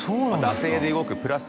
惰性で動くプラス